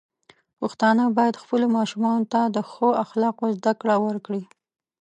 پښتانه بايد خپلو ماشومانو ته د ښو اخلاقو زده کړه ورکړي.